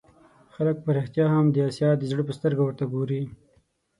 خلک په رښتیا هم د آسیا د زړه په سترګه ورته وګوري.